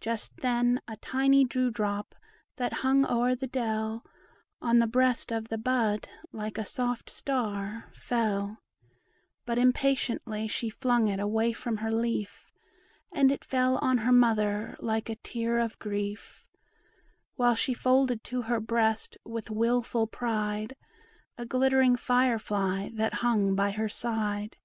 Just then a tiny dew drop that hung o'er the dell On the breast of the bud like a soft star fell; But impatiently she flung it away from her leaf, And it fell on her mother like a tear of grief, While she folded to her breast, with wilful pride, A glittering fire fly that hung by her side.